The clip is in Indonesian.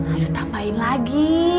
aduh tambahin lagi